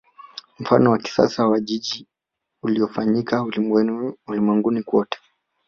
Mfano wa kisasa wa jiji uliofanyika ulimwenguni kote